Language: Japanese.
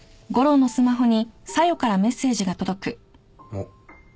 あっ。